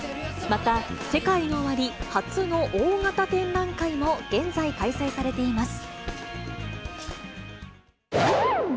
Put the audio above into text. また、セカイノオワリ初の大型展覧会も現在開催されています。